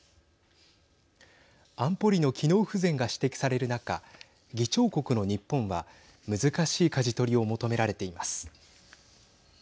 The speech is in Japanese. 安保理の機能不全が指摘される中議長国の日本は難しいかじ取りを求められています。